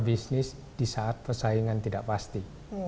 bisnis di saat persaingan tidak pasti